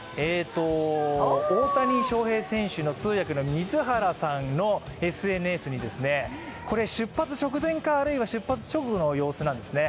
大谷翔平選手の通訳の水原さんのＳＮＳにこれ、出発直前か出発直後の様子なんですね。